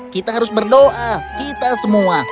kita harus berdoa kita semua